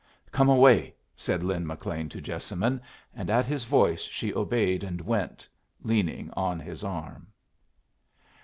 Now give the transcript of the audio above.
"Come away," said Lin McLean to Jessamine and at his voice she obeyed and went, leaning on his arm.